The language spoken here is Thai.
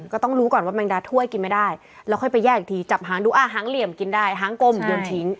ก็ต้องรู้ก่อนว่าแมงดาถ้วยกินไม่ได้แล้วค่อยไปแยกอีกทีจับหางดูหางเหลี่ยมกินได้หางกลมโยนทิ้ง